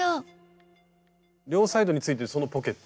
両サイドについてるそのポケット。